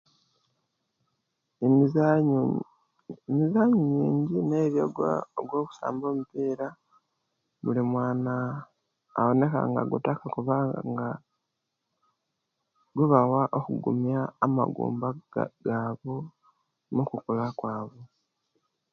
Emizanyu nga mingi naye eriyo gwakusamba omupira bulimwana awoneka nga agutaka kubanga gubawa okugumiya amagumaba gabu mukukula kwabu